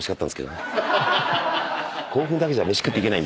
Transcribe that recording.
興奮だけじゃ飯食ってけない。